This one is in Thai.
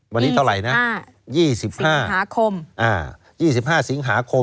วันนี้เท่าไรนะ๒๕สิงหาคม